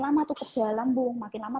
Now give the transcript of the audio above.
lama itu gejala lambung makin lama